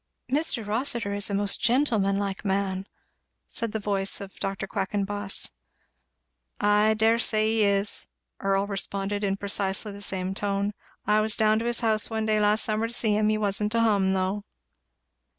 "Mr. Rossitur is a most gentlemanlike man," said the voice of Dr. Quackenboss. "Ay, I dare say he is," Earl responded in precisely the same tone. "I was down to his house one day last summer to see him. He wa'n't to hum, though."